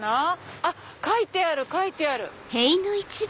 あっ書いてある書いてある！